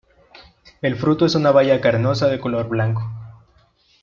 El fruto es una baya carnosa de color blanco.